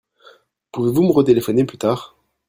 Pouvez-vous me retéléphoner plus tard ?